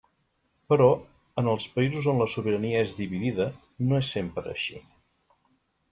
Però, en els països on la sobirania és dividida, no és sempre així.